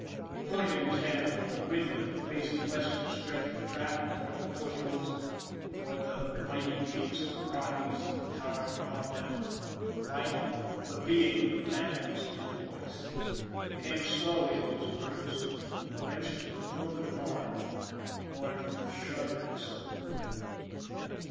He pointed his hand toward the window that faced the western stretch of track, toward the foothills, toward the mighty peaks of the Rockies that towered beyond them, and the life, the being of the man was in his voice. They came slowly, those words, wrenched from a broken heart, torn from a shuddering soul.